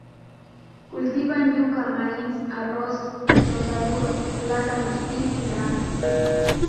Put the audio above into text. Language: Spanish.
Cultivan yuca, maíz, arroz, chontaduro, plátanos, piña y naranja.